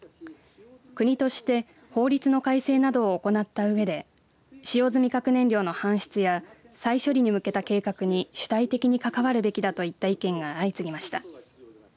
国として法律の改正などを行ったうえで使用済み核燃料の搬出や再処理に向けた計画に主体的に関わるべきだといった意見が相次ぎました。